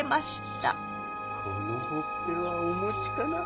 「このほっぺはお餅かな？